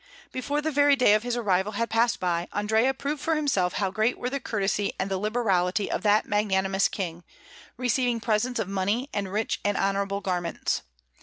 Before the very day of his arrival had passed by, Andrea proved for himself how great were the courtesy and the liberality of that magnanimous King, receiving presents of money and rich and honourable garments.